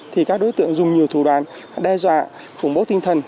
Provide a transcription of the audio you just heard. thì các đối tượng dùng nhiều thủ đoàn đe dọa khủng bố tinh thần